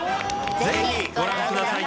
ぜひご覧ください。